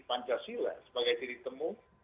pancasila sebagai tiri temu